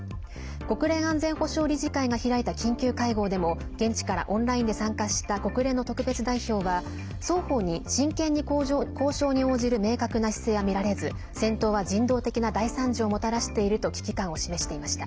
国連安全保障理事会が開いた緊急会合でも現地からオンラインで参加した国連の特別代表は双方に真剣に交渉に応じる明確な姿勢はみられず戦闘は人道的な大惨事をもたらしていると危機感を示していました。